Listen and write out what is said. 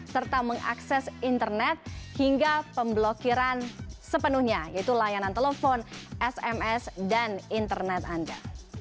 serta mengakses internet hingga pemblokiran sepenuhnya yaitu layanan telepon sms dan internet anda